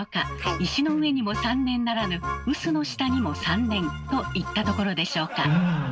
石の上にも３年ならぬ臼の下にも３年といったところでしょうか？